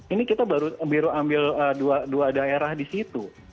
ini kita baru ambil dua daerah di situ